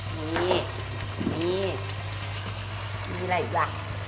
นี่มีอะไรอีกล่ะ